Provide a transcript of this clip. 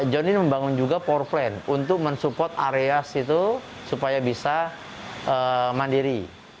john lin membangun juga power plant untuk men support area situ supaya bisa mandiri